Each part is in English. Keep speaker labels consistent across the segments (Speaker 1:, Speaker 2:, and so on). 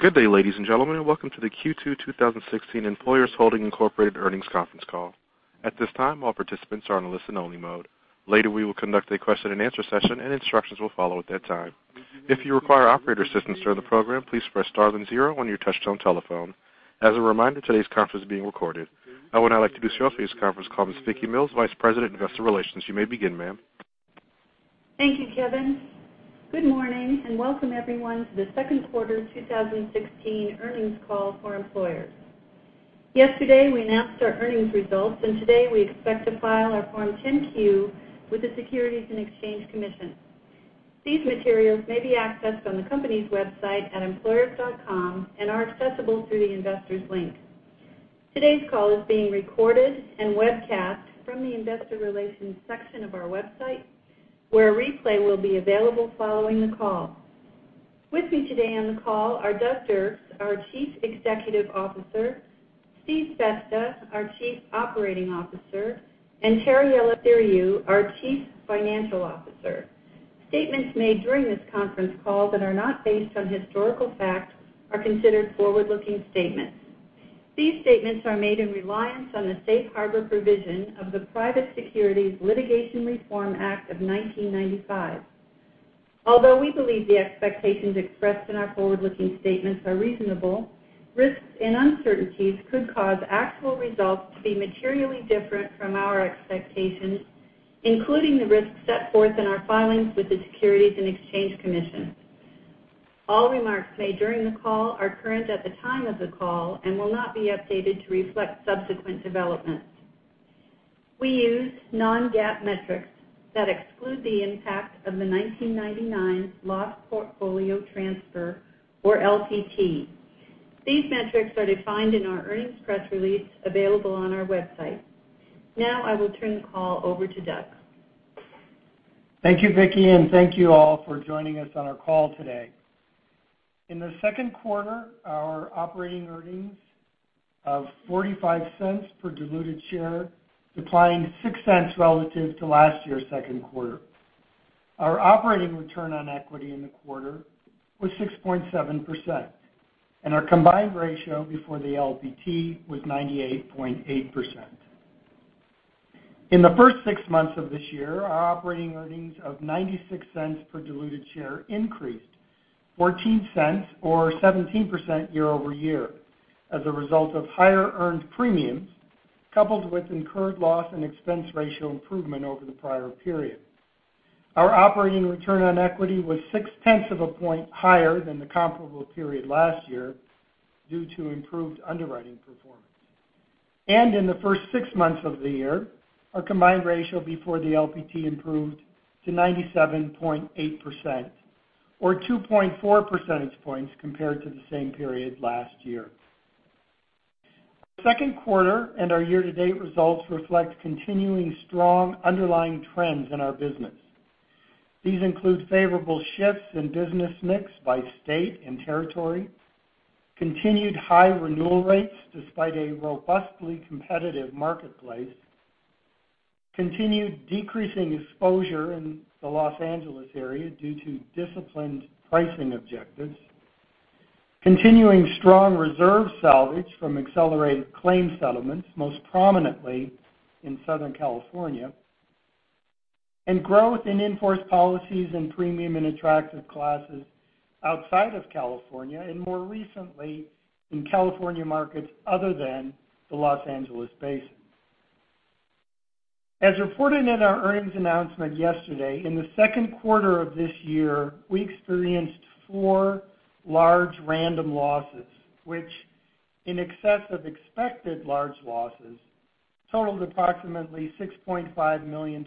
Speaker 1: Good day, ladies and gentlemen. Welcome to the Q2 2016 Employers Holdings, Inc. earnings conference call. At this time, all participants are on a listen-only mode. Later, we will conduct a question-and-answer session and instructions will follow at that time. If you require operator assistance during the program, please press star then zero on your touch-tone telephone. As a reminder, today's conference is being recorded. I would now like to introduce to you this conference call, Ms. Vicki Mills, Vice President, Investor Relations. You may begin, ma'am.
Speaker 2: Thank you, Kevin. Good morning and welcome everyone to the second quarter 2016 earnings call for Employers. Today we expect to file our Form 10-Q with the Securities and Exchange Commission. These materials may be accessed on the company's website at employers.com and are accessible through the investors link. Today's call is being recorded and webcast from the investor relations section of our website, where a replay will be available following the call. With me today on the call are Doug Dirks, our Chief Executive Officer, Steve Festa, our Chief Operating Officer, and Terry Eleftheriou, our Chief Financial Officer. Statements made during this conference call that are not based on historical facts are considered forward-looking statements. These statements are made in reliance on the safe harbor provision of the Private Securities Litigation Reform Act of 1995. Although we believe the expectations expressed in our forward-looking statements are reasonable, risks and uncertainties could cause actual results to be materially different from our expectations, including the risks set forth in our filings with the Securities and Exchange Commission. All remarks made during the call are current at the time of the call and will not be updated to reflect subsequent developments. We use non-GAAP metrics that exclude the impact of the 1999 loss portfolio transfer, or LPT. These metrics are defined in our earnings press release available on our website. I will turn the call over to Doug.
Speaker 3: Thank you, Vicki, and thank you all for joining us on our call today. In the second quarter, our operating earnings of $0.45 per diluted share declined $0.06 relative to last year's second quarter. Our operating return on equity in the quarter was 6.7%, and our combined ratio before the LPT was 98.8%. In the first six months of this year, our operating earnings of $0.96 per diluted share increased $0.14 or 17% year-over-year as a result of higher earned premiums, coupled with incurred loss and expense ratio improvement over the prior period. Our operating return on equity was six tenths of a point higher than the comparable period last year due to improved underwriting performance. In the first six months of the year, our combined ratio before the LPT improved to 97.8%, or 2.4 percentage points compared to the same period last year. Our second quarter and our year-to-date results reflect continuing strong underlying trends in our business. These include favorable shifts in business mix by state and territory, continued high renewal rates despite a robustly competitive marketplace, continued decreasing exposure in the Los Angeles area due to disciplined pricing objectives, continuing strong reserve salvage from accelerated claim settlements, most prominently in Southern California, and growth in in-force policies and premium in attractive classes outside of California and more recently in California markets other than the Los Angeles Basin. As reported in our earnings announcement yesterday, in the second quarter of this year, we experienced four large random losses, which in excess of expected large losses totaled approximately $6.5 million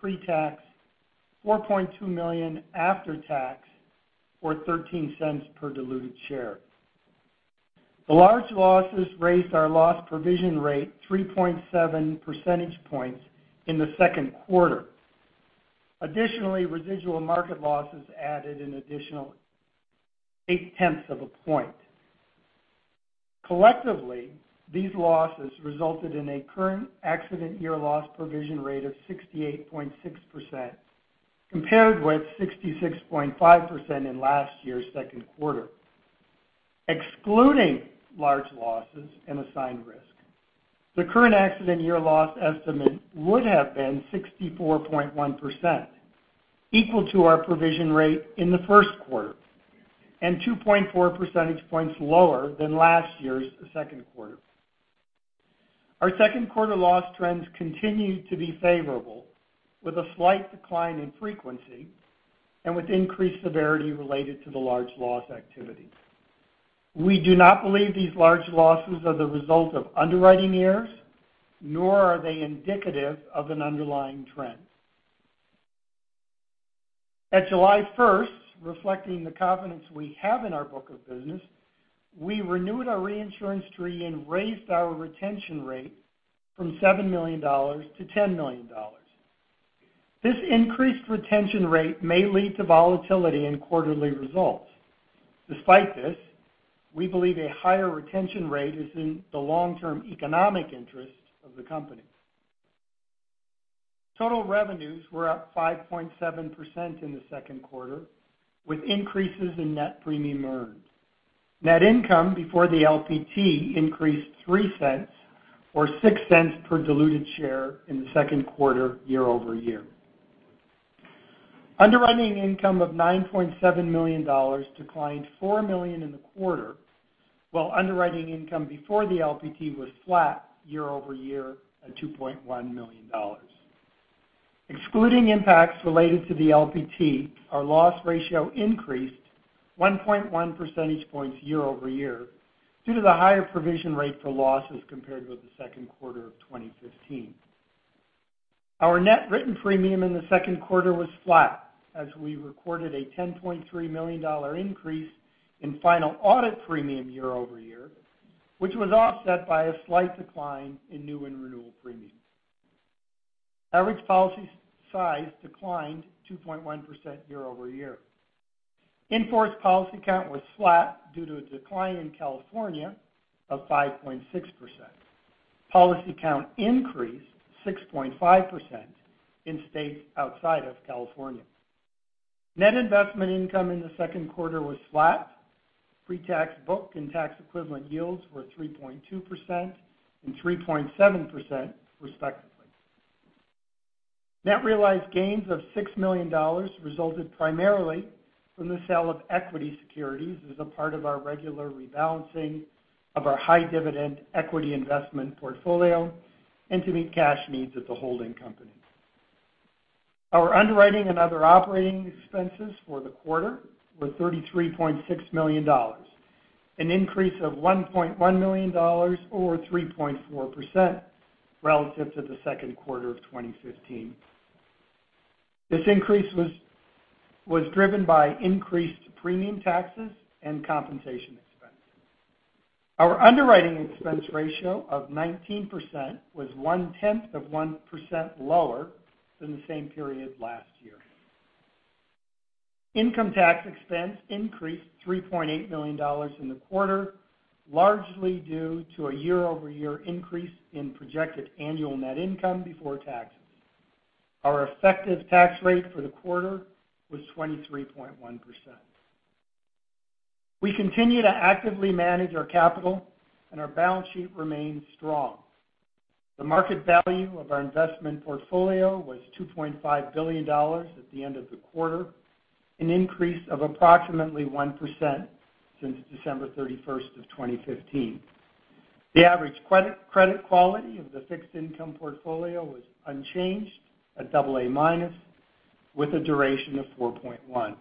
Speaker 3: pre-tax, $4.2 million after tax, or $0.13 per diluted share. The large losses raised our loss provision rate 3.7 percentage points in the second quarter. Additionally, residual market losses added an additional 0.8 of a point. Collectively, these losses resulted in a current accident year loss provision rate of 68.6%, compared with 66.5% in last year's second quarter. Excluding large losses and assigned risk, the current accident year loss estimate would have been 64.1%, equal to our provision rate in the first quarter, and 2.4 percentage points lower than last year's second quarter. Our second quarter loss trends continued to be favorable with a slight decline in frequency and with increased severity related to the large loss activity. We do not believe these large losses are the result of underwriting errors, nor are they indicative of an underlying trend. At July 1st, reflecting the confidence we have in our book of business, we renewed our reinsurance treaty and raised our retention rate from $7 million to $10 million. This increased retention rate may lead to volatility in quarterly results. Despite this, we believe a higher retention rate is in the long-term economic interest of the company. Total revenues were up 5.7% in the second quarter, with increases in net premium earned. Net income before the LPT increased $0.03 or $0.06 per diluted share in the second quarter year-over-year. Underwriting income of $9.7 million declined $4 million in the quarter, while underwriting income before the LPT was flat year-over-year at $2.1 million. Excluding impacts related to the LPT, our loss ratio increased 1.1 percentage points year-over-year due to the higher provision rate for losses compared with the second quarter of 2015. Our net written premium in the second quarter was flat as we recorded a $10.3 million increase in final audit premium year-over-year, which was offset by a slight decline in new and renewal premiums. Average policy size declined 2.1% year-over-year. In-force policy count was flat due to a decline in California of 5.6%. Policy count increased 6.5% in states outside of California. Net investment income in the second quarter was flat. Pre-tax book and tax equivalent yields were 3.2% and 3.7% respectively. Net realized gains of $6 million resulted primarily from the sale of equity securities as a part of our regular rebalancing of our high-dividend equity investment portfolio and to meet cash needs at the holding company. Our underwriting and other operating expenses for the quarter were $33.6 million, an increase of $1.1 million or 3.4% relative to the second quarter of 2015. This increase was driven by increased premium taxes and compensation expenses. Our underwriting expense ratio of 19% was one tenth of 1% lower than the same period last year. Income tax expense increased $3.8 million in the quarter, largely due to a year-over-year increase in projected annual net income before taxes. Our effective tax rate for the quarter was 23.1%. We continue to actively manage our capital, and our balance sheet remains strong. The market value of our investment portfolio was $2.5 billion at the end of the quarter, an increase of approximately 1% since December 31st of 2015. The average credit quality of the fixed income portfolio was unchanged at double A minus, with a duration of 4.1.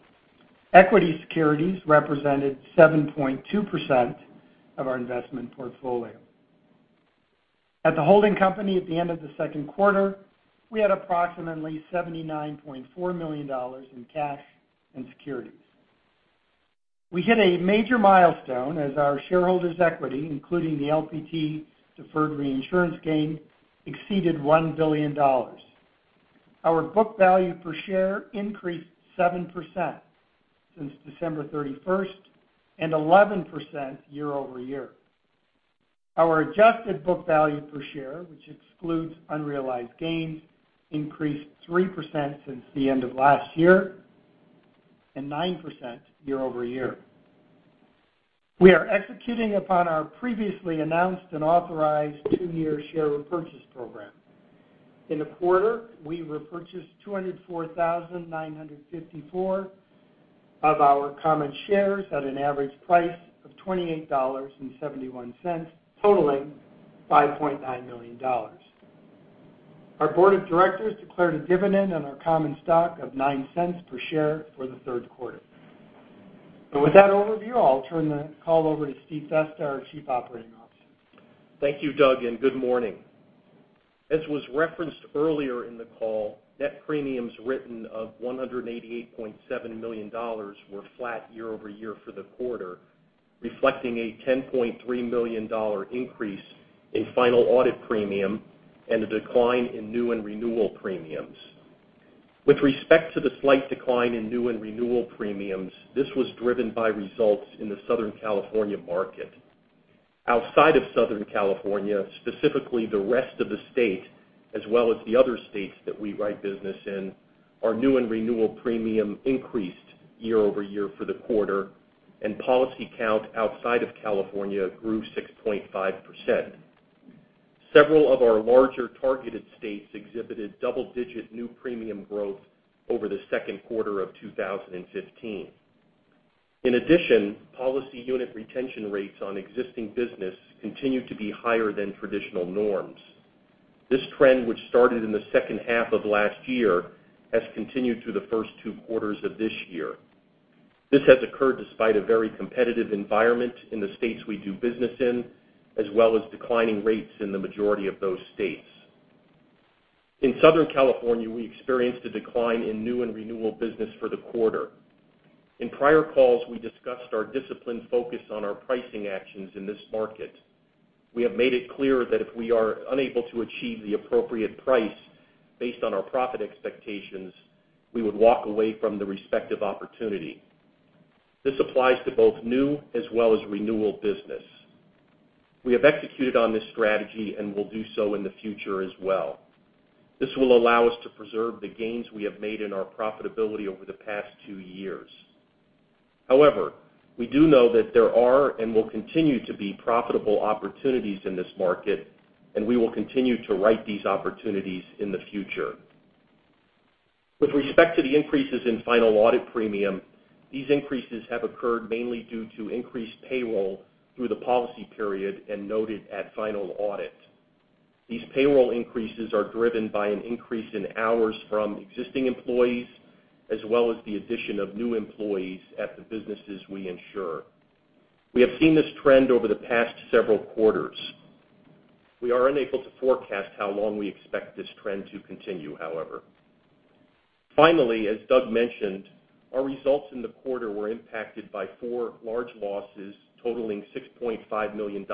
Speaker 3: Equity securities represented 7.2% of our investment portfolio. At the holding company at the end of the second quarter, we had approximately $79.4 million in cash and securities. We hit a major milestone as our shareholders' equity, including the LPT deferred reinsurance gain, exceeded $1 billion. Our book value per share increased 7% since December 31st and 11% year-over-year. Our adjusted book value per share, which excludes unrealized gains, increased 3% since the end of last year and 9% year-over-year. We are executing upon our previously announced and authorized two-year share repurchase program. In the quarter, we repurchased 204,954 of our common shares at an average price of $28.71, totaling $5.9 million. Our Board of Directors declared a dividend on our common stock of $0.09 per share for the third quarter. With that overview, I'll turn the call over to Steve Festa, our Chief Operating Officer.
Speaker 4: Thank you, Doug, and good morning. As was referenced earlier in the call, net premiums written of $188.7 million were flat year-over-year for the quarter, reflecting a $10.3 million increase in final audit premium and a decline in new and renewal premiums. With respect to the slight decline in new and renewal premiums, this was driven by results in the Southern California market. Outside of Southern California, specifically the rest of the state, as well as the other states that we write business in, our new and renewal premium increased year-over-year for the quarter, and policy count outside of California grew 6.5%. Several of our larger targeted states exhibited double-digit new premium growth over the second quarter of 2015. In addition, policy unit retention rates on existing business continued to be higher than traditional norms. This trend, which started in the second half of last year, has continued through the first two quarters of this year. This has occurred despite a very competitive environment in the states we do business in, as well as declining rates in the majority of those states. In Southern California, we experienced a decline in new and renewal business for the quarter. In prior calls, we discussed our disciplined focus on our pricing actions in this market. We have made it clear that if we are unable to achieve the appropriate price based on our profit expectations, we would walk away from the respective opportunity. This applies to both new as well as renewal business. We have executed on this strategy and will do so in the future as well. This will allow us to preserve the gains we have made in our profitability over the past two years. We do know that there are, and will continue to be, profitable opportunities in this market, and we will continue to right these opportunities in the future. With respect to the increases in final audit premium, these increases have occurred mainly due to increased payroll through the policy period and noted at final audit. These payroll increases are driven by an increase in hours from existing employees, as well as the addition of new employees at the businesses we insure. We have seen this trend over the past several quarters. We are unable to forecast how long we expect this trend to continue, however. Finally, as Doug mentioned, our results in the quarter were impacted by four large losses totaling $6.5 million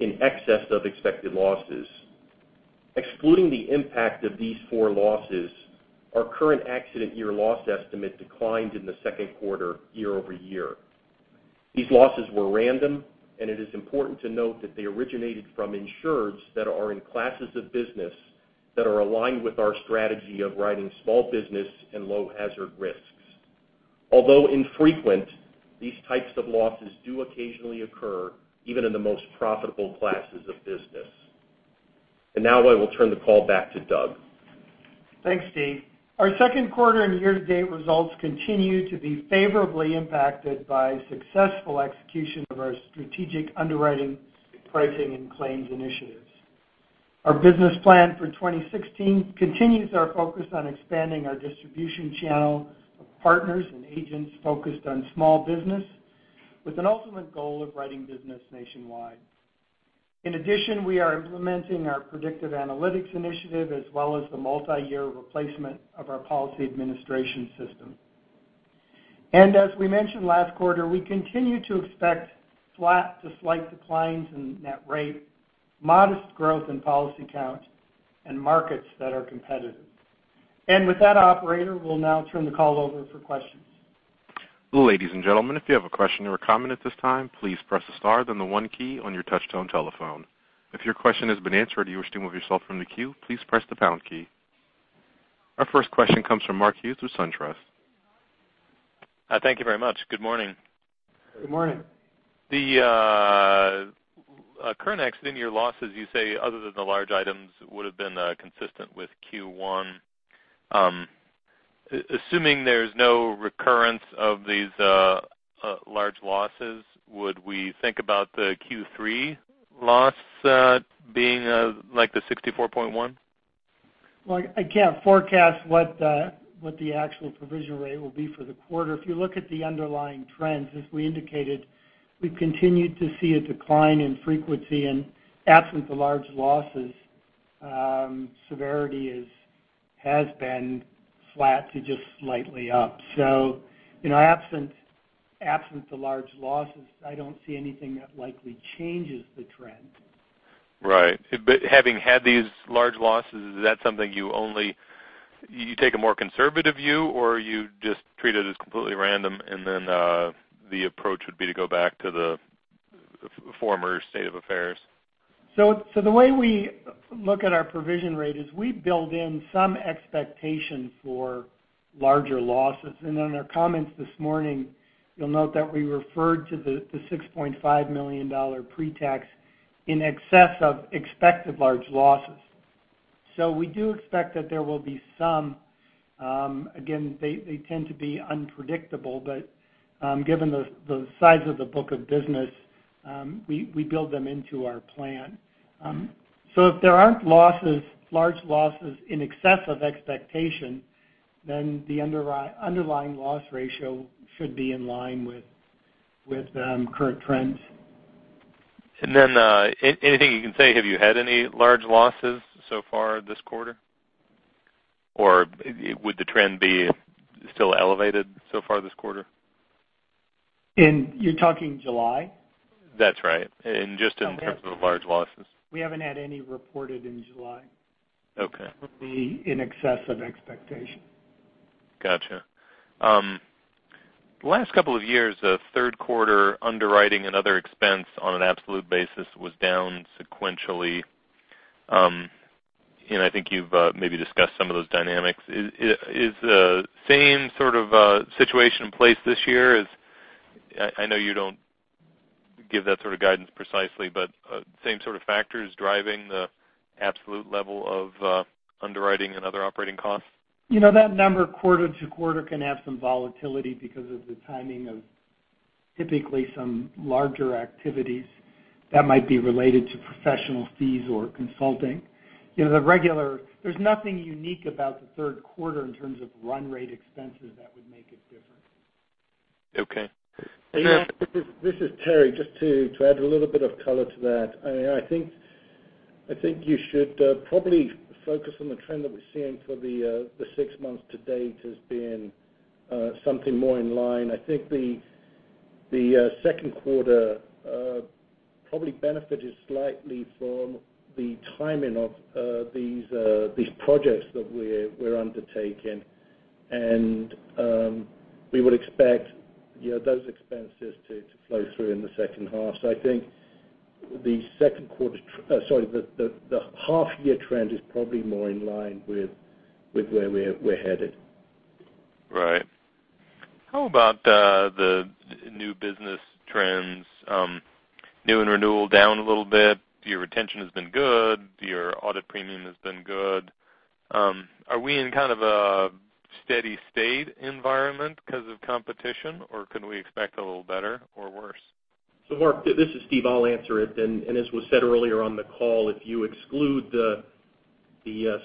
Speaker 4: in excess of expected losses. Excluding the impact of these four losses, our current accident year loss estimate declined in the second quarter, year-over-year. These losses were random, and it is important to note that they originated from insureds that are in classes of business that are aligned with our strategy of writing small business and low hazard risks. Although infrequent, these types of losses do occasionally occur even in the most profitable classes of business. Now I will turn the call back to Doug.
Speaker 3: Thanks, Steve. Our second quarter and year-to-date results continue to be favorably impacted by successful execution of our strategic underwriting, pricing, and claims initiatives. Our business plan for 2016 continues our focus on expanding our distribution channel of partners and agents focused on small business with an ultimate goal of writing business nationwide. In addition, we are implementing our Predictive Analytics initiative as well as the multi-year replacement of our policy administration system. As we mentioned last quarter, we continue to expect flat to slight declines in net rate, modest growth in policy count, and markets that are competitive. With that, operator, we'll now turn the call over for questions.
Speaker 1: Ladies and gentlemen, if you have a question or a comment at this time, please press the star then the one key on your touch-tone telephone. If your question has been answered and you wish to remove yourself from the queue, please press the pound key. Our first question comes from Mark Hughes with SunTrust.
Speaker 5: Hi. Thank you very much. Good morning.
Speaker 3: Good morning.
Speaker 5: The current accident year losses, you say, other than the large items, would've been consistent with Q1. Assuming there's no recurrence of these large losses, would we think about the Q3 loss being like the $64.1?
Speaker 3: I can't forecast what the actual provision rate will be for the quarter. If you look at the underlying trends, as we indicated, we've continued to see a decline in frequency and absent the large losses, severity has been flat to just slightly up. Absent the large losses, I don't see anything that likely changes the trend.
Speaker 5: Right. Having had these large losses, is that something you take a more conservative view, or you just treat it as completely random, the approach would be to go back to the former state of affairs?
Speaker 3: The way we look at our provision rate is we build in some expectation for larger losses. In our comments this morning, you'll note that we referred to the $6.5 million pre-tax in excess of expected large losses. We do expect that there will be some. Again, they tend to be unpredictable, but given the size of the book of business, we build them into our plan. If there aren't large losses in excess of expectation, the underlying loss ratio should be in line with current trends.
Speaker 5: Anything you can say, have you had any large losses so far this quarter? Would the trend be still elevated so far this quarter?
Speaker 3: You're talking July?
Speaker 5: That's right. Just in terms of large losses.
Speaker 3: We haven't had any reported in July.
Speaker 5: Okay.
Speaker 3: That would be in excess of expectation.
Speaker 5: Gotcha. The last couple of years, third quarter underwriting and other expense on an absolute basis was down sequentially. I think you've maybe discussed some of those dynamics. Is the same sort of situation in place this year? I know you don't give that sort of guidance precisely, but same sort of factors driving the absolute level of underwriting and other operating costs?
Speaker 3: That number quarter to quarter can have some volatility because of the timing of typically some larger activities that might be related to professional fees or consulting. There's nothing unique about the third quarter in terms of run rate expenses that would make it different.
Speaker 5: Okay.
Speaker 3: Yeah.
Speaker 6: This is Terry. Just to add a little bit of color to that. I think you should probably focus on the trend that we're seeing for the six months to date as being something more in line. I think the second quarter probably benefited slightly from the timing of these projects that we're undertaking. We would expect those expenses to flow through in the second half. I think the half-year trend is probably more in line with where we're headed.
Speaker 5: Right. How about the new business trends? New and renewal down a little bit. Your retention has been good. Your audit premium has been good. Are we in kind of a steady state environment because of competition, or can we expect a little better or worse?
Speaker 4: Mark, this is Steve. I'll answer it. As was said earlier on the call, if you exclude the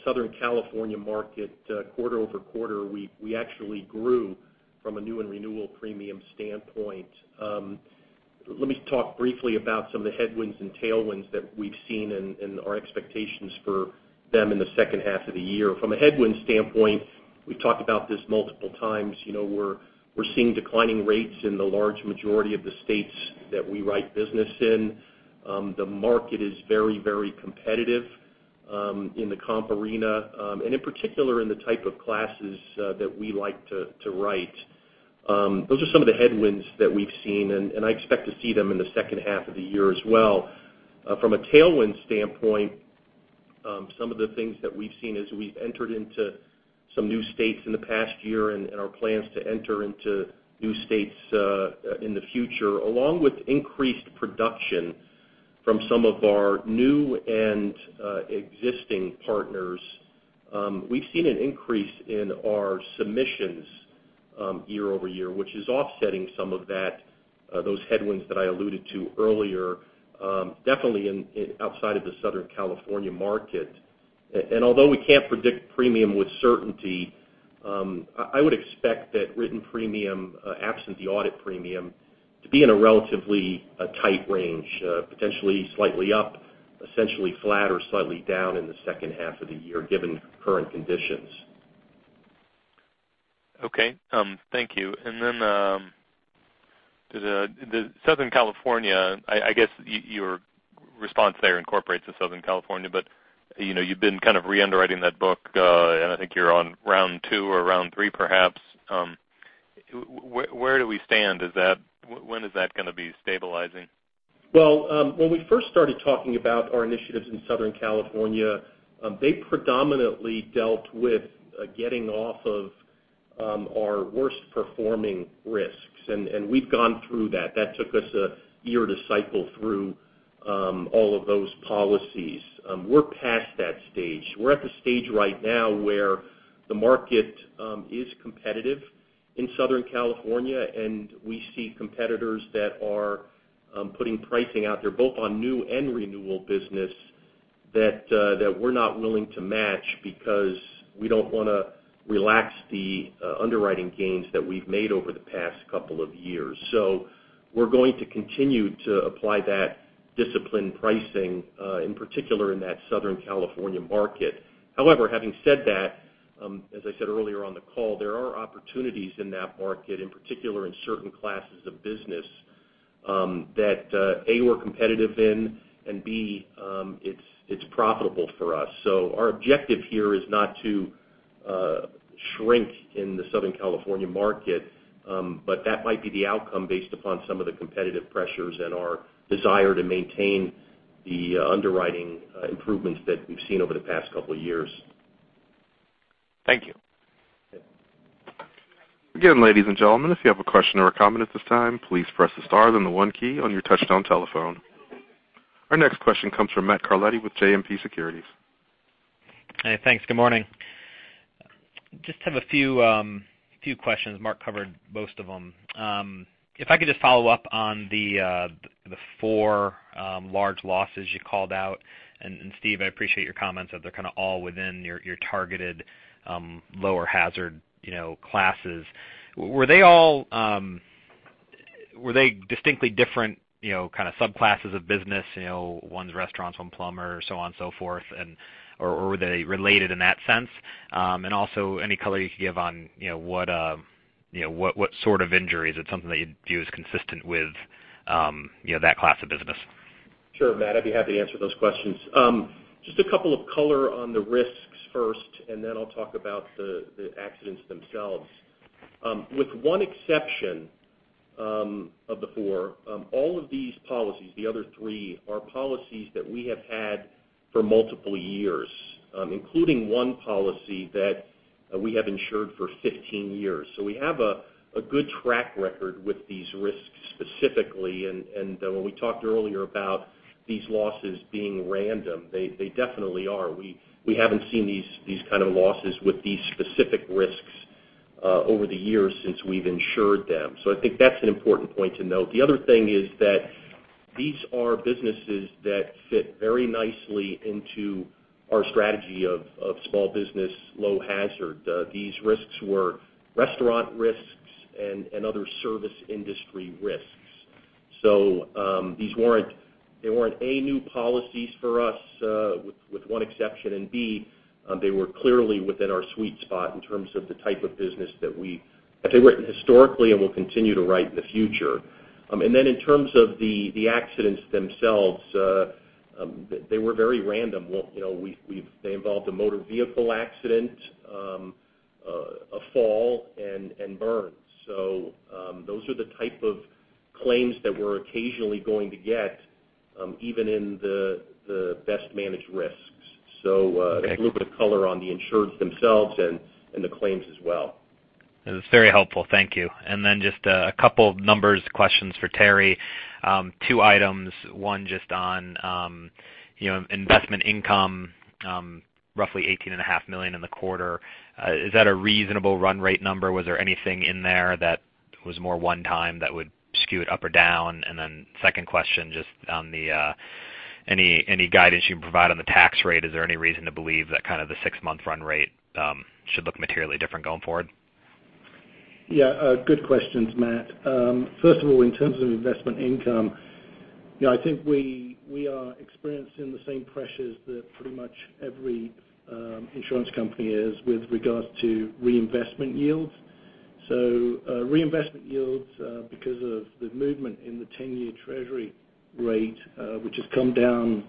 Speaker 4: Southern California market quarter-over-quarter, we actually grew from a new and renewal premium standpoint. Let me talk briefly about some of the headwinds and tailwinds that we've seen and our expectations for them in the second half of the year. From a headwind standpoint, we've talked about this multiple times. We're seeing declining rates in the large majority of the states that we write business in. The market is very competitive in the comp arena, and in particular, in the type of classes that we like to write. Those are some of the headwinds that we've seen, and I expect to see them in the second half of the year as well. From a tailwind standpoint, some of the things that we've seen as we've entered into some new states in the past year and our plans to enter into new states in the future, along with increased production from some of our new and existing partners. We've seen an increase in our submissions year-over-year, which is offsetting some of those headwinds that I alluded to earlier, definitely outside of the Southern California market. Although we can't predict premium with certainty, I would expect that written premium, absent the audit premium, to be in a relatively tight range, potentially slightly up, essentially flat or slightly down in the second half of the year, given current conditions.
Speaker 5: Okay. Thank you. The Southern California, I guess your response there incorporates the Southern California, but you've been kind of re-underwriting that book, and I think you're on round 2 or round 3, perhaps. Where do we stand? When is that going to be stabilizing?
Speaker 4: When we first started talking about our initiatives in Southern California, they predominantly dealt with getting off of our worst-performing risks, we've gone through that. That took us a year to cycle through all of those policies. We're past that stage. We're at the stage right now where the market is competitive in Southern California, we see competitors that are putting pricing out there, both on new and renewal business that we're not willing to match because we don't want to relax the underwriting gains that we've made over the past couple of years. We're going to continue to apply that disciplined pricing, in particular in that Southern California market. However, having said that, as I said earlier on the call, there are opportunities in that market, in particular in certain classes of business that, A, we're competitive in, and B, it's profitable for us. Our objective here is not to shrink in the Southern California market, but that might be the outcome based upon some of the competitive pressures and our desire to maintain the underwriting improvements that we've seen over the past couple of years.
Speaker 5: Thank you.
Speaker 4: Yeah.
Speaker 1: Again, ladies and gentlemen, if you have a question or a comment at this time, please press the star then the one key on your touch-tone telephone. Our next question comes from Matthew Carletti with JMP Securities.
Speaker 7: Hey, thanks. Good morning. Just have a few questions. Mark covered most of them. If I could just follow up on the four large losses you called out. Steve, I appreciate your comments that they're kind of all within your targeted lower hazard classes. Were they distinctly different kind of subclasses of business, one's a restaurant, one plumber, so on and so forth, or were they related in that sense? Also, any color you could give on what sort of injuries? It's something that you view as consistent with that class of business.
Speaker 4: Sure, Matt. I'd be happy to answer those questions. Just a couple of color on the risks first, then I'll talk about the accidents themselves. With one exception of the four, all of these policies, the other three are policies that we have had for multiple years, including one policy that we have insured for 15 years. We have a good track record with these risks specifically. When we talked earlier about these losses being random, they definitely are. We haven't seen these kind of losses with these specific risks over the years since we've insured them. I think that's an important point to note. The other thing is that these are businesses that fit very nicely into our strategy of small business, low hazard. These risks were restaurant risks and other service industry risks. They weren't, A, new policies for us, with one exception, and B, they were clearly within our sweet spot in terms of the type of business that we have written historically and will continue to write in the future. In terms of the accidents themselves, they were very random. They involved a motor vehicle accident, a fall, and burns. Those are the type of claims that we're occasionally going to get, even in the best managed risks. A little bit of color on the insureds themselves and the claims as well.
Speaker 7: That's very helpful. Thank you. Just a couple of numbers questions for Terry. Two items. One just on investment income, roughly $18.5 million in the quarter. Is that a reasonable run rate number? Was there anything in there that was more one time that would skew it up or down? Second question, just any guidance you can provide on the tax rate? Is there any reason to believe that kind of the six-month run rate should look materially different going forward?
Speaker 6: Yeah. Good questions, Matt. First of all, in terms of investment income, I think we are experiencing the same pressures that pretty much every insurance company is with regards to reinvestment yields. Reinvestment yields because of the movement in the 10-year treasury rate, which has come down,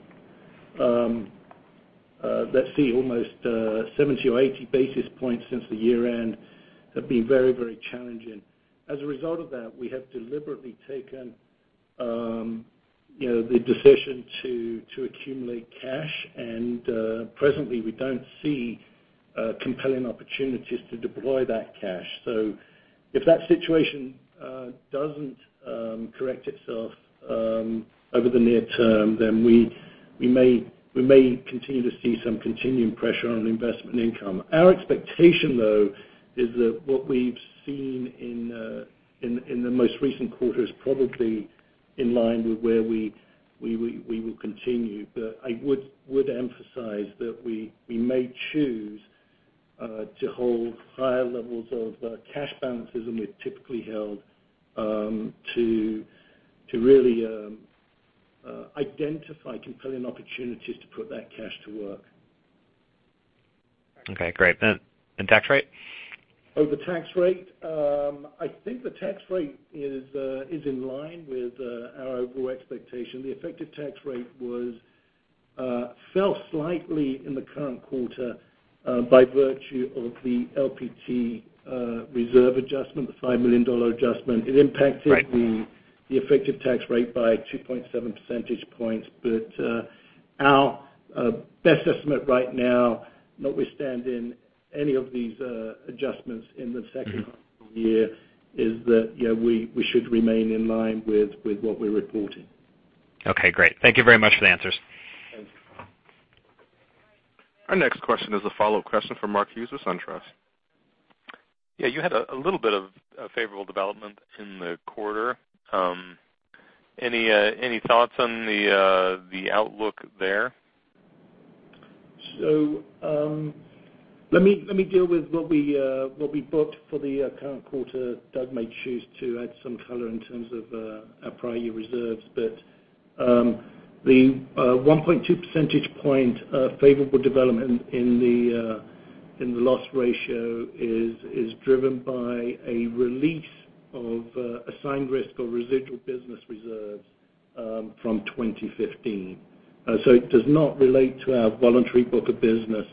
Speaker 6: let's see, almost 70 or 80 basis points since the year-end, have been very challenging. As a result of that, we have deliberately taken the decision to accumulate cash, and presently we don't see compelling opportunities to deploy that cash. If that situation doesn't correct itself over the near term, then we may continue to see some continuing pressure on investment income. Our expectation, though, is that what we've seen in the most recent quarter is probably in line with where we will continue. I would emphasize that we may choose to hold higher levels of cash balances than we've typically held to really identify compelling opportunities to put that cash to work.
Speaker 7: Okay, great. Tax rate?
Speaker 6: The tax rate. I think the tax rate is in line with our overall expectation. The effective tax rate fell slightly in the current quarter by virtue of the LPT reserve adjustment, the $5 million adjustment. It impacted-
Speaker 7: Right
Speaker 6: the effective tax rate by 2.7 percentage points. Our best estimate right now, notwithstanding any of these adjustments in the second half of the year, is that we should remain in line with what we reported.
Speaker 7: Okay, great. Thank you very much for the answers.
Speaker 6: Thanks.
Speaker 1: Our next question is a follow-up question from Mark Hughes with SunTrust.
Speaker 5: Yeah, you had a little bit of a favorable development in the quarter. Any thoughts on the outlook there?
Speaker 6: Let me deal with what we booked for the current quarter. Doug may choose to add some color in terms of our prior year reserves. The 1.2 percentage point favorable development in the loss ratio is driven by a release of assigned risk or residual business reserves from 2015. It does not relate to our voluntary book of business.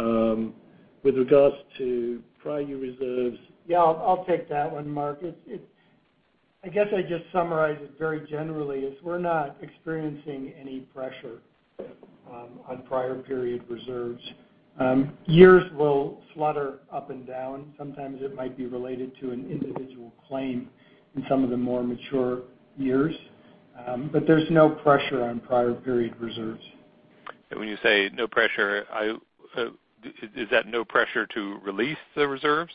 Speaker 6: I will speak with regards to prior year reserves.
Speaker 3: Yeah, I'll take that one, Mark. I guess I'd just summarize it very generally as we're not experiencing any pressure on prior period reserves. Years will flutter up and down. Sometimes it might be related to an individual claim in some of the more mature years. But there's no pressure on prior period reserves.
Speaker 5: When you say no pressure, is that no pressure to release the reserves?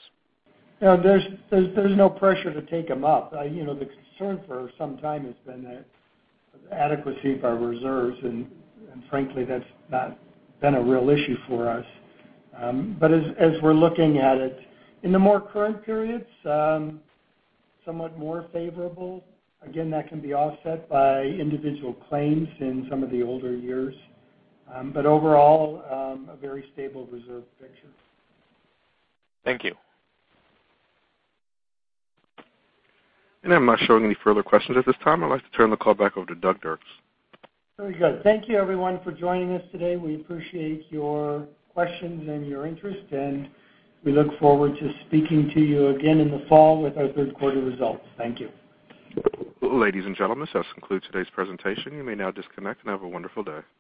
Speaker 3: No, there's no pressure to take them up. The concern for some time has been the adequacy of our reserves, frankly, that's not been a real issue for us. As we're looking at it, in the more current periods, somewhat more favorable. Again, that can be offset by individual claims in some of the older years. Overall, a very stable reserve picture.
Speaker 5: Thank you.
Speaker 1: I'm not showing any further questions at this time. I'd like to turn the call back over to Douglas Dirks.
Speaker 3: Very good. Thank you, everyone, for joining us today. We appreciate your questions and your interest, and we look forward to speaking to you again in the fall with our third quarter results. Thank you.
Speaker 1: Ladies and gentlemen, this concludes today's presentation. You may now disconnect, and have a wonderful day.